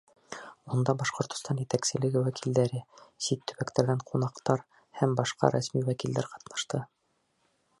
Унда Башҡортостан етәкселеге вәкилдәре, сит төбәктәрҙән ҡунаҡтар һәм башҡа рәсми вәкилдәр ҡатнашты.